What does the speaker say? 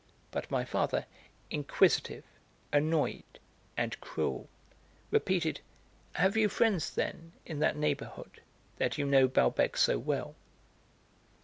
But my father, inquisitive, annoyed, and cruel, repeated: "Have you friends, then, in that neighbourhood, that you know Balbec so well?"